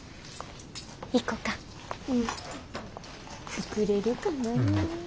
作れるかな？